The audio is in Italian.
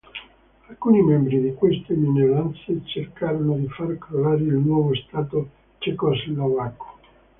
Alcuni membri di queste minoranze cercarono di far crollare il nuovo Stato cecoslovacco.